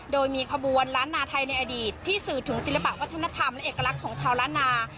โดยมีขบวนล้านนาไทยในอดีตที่สื่อถึงศิลปะวัฒนธรรมและเอกลักษณ์ของชาวล้านนา